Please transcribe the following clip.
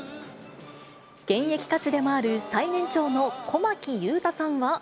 現役歌手でもある最年長の小牧勇太さんは。